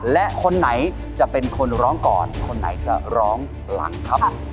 และคนไหนจะเป็นคนร้องก่อนคนไหนจะร้องหลังครับ